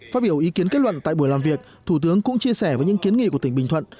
phát biểu ý kiến kết luận tại buổi làm việc thủ tướng cũng chia sẻ với những kiến nghị của tỉnh bình thuận